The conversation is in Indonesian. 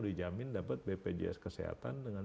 dijamin dapat bpjs kesehatan dengan